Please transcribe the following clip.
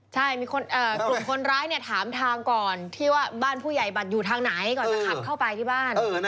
ใช่มีกลุ่มคนร้ายเนี่ยถามทางก่อนที่ว่าบ้านผู้ใหญ่บัตรอยู่ทางไหนก่อนจะขับเข้าไปที่บ้าน